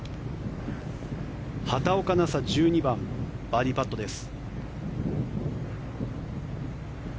畑岡奈紗、１２番バーディーパットです。